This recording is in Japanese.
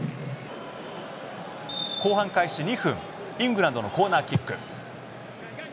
後半開始２分イングランドのコーナーキック。